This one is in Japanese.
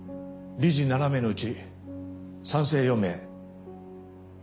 理事７名のうち賛成４名。